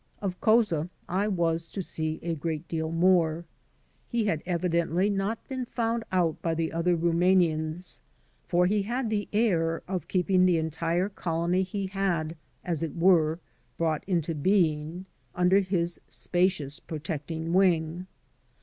Of Couza I was to see a great deal more. He had evidently not been found out by the other Rumanians, for he had the air of keeping the entire colony he had, as it were, brought into being, under his spacious pro tecting wing.